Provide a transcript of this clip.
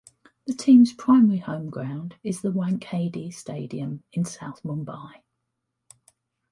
The team's primary home ground is the Wankhede Stadium in South Mumbai.